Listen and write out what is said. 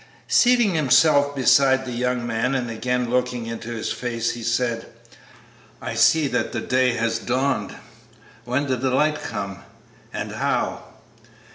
Seating himself beside the young man and again looking into his face, he said, "I see that the day has dawned; when did the light come, and how?"